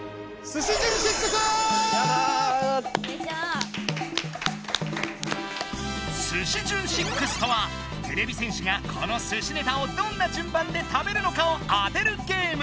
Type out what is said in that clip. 「すし順シックス」とはてれび戦士がこのすしネタをどんな順番で食べるのかを当てるゲーム。